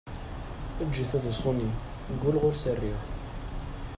Eǧǧ-it ad iṣuni, ggulleɣ ur s-rriɣ!